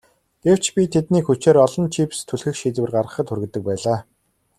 Гэвч би тэднийг хүчээр олон чипс түлхэх шийдвэр гаргахад хүргэдэг байлаа.